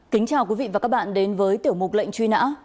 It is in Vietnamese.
kính chào quý vị và các bạn đến với tiểu mục lệnh truy nã